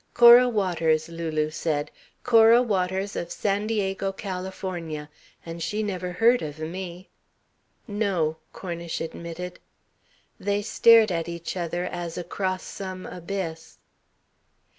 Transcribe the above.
"Cora Waters," Lulu said. "Cora Waters, of San Diego, California. And she never heard of me." "No," Cornish admitted. They stared at each other as across some abyss.